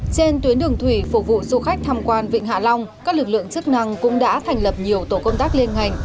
trên tuyến đường thủy phục vụ du khách tham quan vịnh hạ long các lực lượng chức năng cũng đã thành lập nhiều tổ công tác liên ngành